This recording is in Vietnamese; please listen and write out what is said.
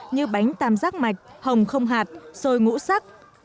như bánh tam giác mạch hồng không hạt xôi ngũ sắc